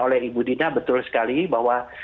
oleh ibu dina betul sekali bahwa